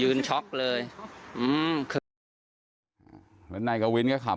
ฮืมเขาคนอื่นคือเด็กปำคืออื่นวิ่งหนีกันหมดแล้ว